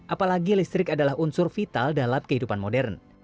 apalagi listrik adalah unsur vital dalam kehidupan modern